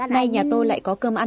ngày nhà tôi lại có cơm ăn